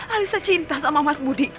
alisa cinta sama mas budi